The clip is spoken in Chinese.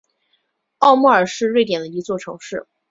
奥莫尔是瑞典的一座城市。